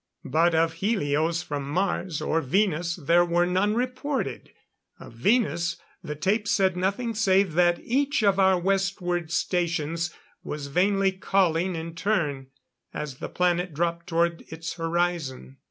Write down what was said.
But of helios from Mars, or Venus, there were none reported. Of Venus, the tape said nothing save that each of our westward stations was vainly calling in turn, as the planet dropped toward its horizon.